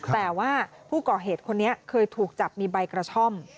แต่ว่าผู้ก่อเหตุคนนี้เคยถูกจับมีใบกระท่อม